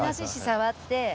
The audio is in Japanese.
亥触って。